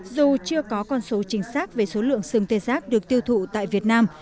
dù chưa có con số chính xác về số lượng sừng tê giác được tiêu thụ tại việt nam